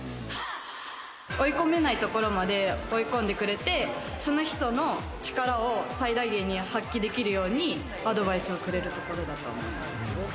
追い込めないところまで追い込んでくれて、その人の力を最大限に発揮できるようにアドバイスをくれるところだと思います。